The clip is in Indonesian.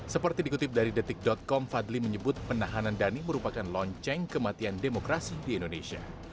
seperti dikutip dari detik com fadli menyebut penahanan dhani merupakan lonceng kematian demokrasi di indonesia